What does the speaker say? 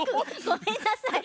ごめんなさい。